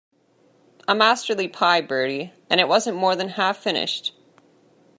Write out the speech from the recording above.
A masterly pie, Bertie, and it wasn't more than half finished.